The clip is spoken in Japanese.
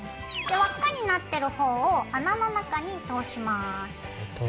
輪っかになってる方を穴の中に通します。